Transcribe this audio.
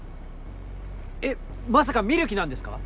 えっまさか見る気なんですか？